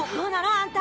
あんた！